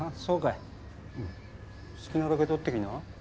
い好きなだけ撮ってきな。